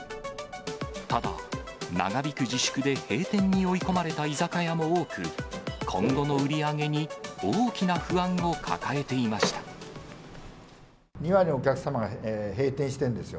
ただ、長引く自粛で閉店に追い込まれた居酒屋も多く、今後の売り上げに２割のお客様が閉店してるんですよ。